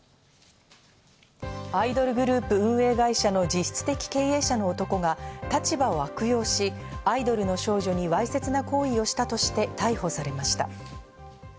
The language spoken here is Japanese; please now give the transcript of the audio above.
アイドルグループ運営会社の実質的経営者の男が立場を悪用し、アイドルの少女にわいせつな行為をしたとして、逮捕されました。